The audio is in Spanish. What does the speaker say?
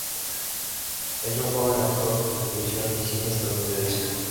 Es un joven actor de televisión y cine estadounidense.